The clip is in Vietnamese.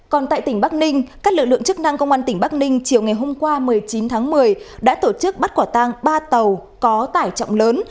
còn tại tỉnh bắc ninh các lực lượng chức năng công an tỉnh bắc ninh chiều ngày hôm qua một mươi chín tháng một mươi đã tổ chức bắt quả tang ba tàu có tải trọng lớn